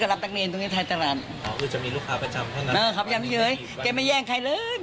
หามาตีคนแก่เนี่ยเนาะแล้วถึงว่าจะเป็นตัดชาติด้วยไงหวะ